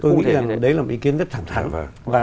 tôi nghĩ đấy là một ý kiến rất thẳng thẳng và